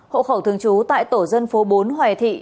hộ khẩu thường trú tại tổ dân phố bốn hoài thị